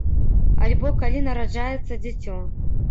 Альбо калі нараджаецца дзіцё.